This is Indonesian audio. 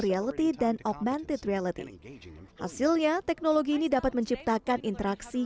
reality dan augmented reality hasilnya teknologi ini dapat menciptakan interaksi